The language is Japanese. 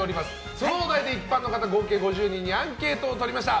そのお題で一般の方合計５０人にアンケートを取りました。